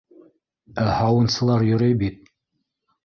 Ә һауынсылар йөрөй бит!